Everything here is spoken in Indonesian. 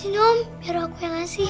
sinom biar aku yang ngasih